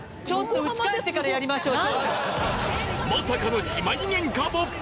ちょっと家帰ってからやりましょう。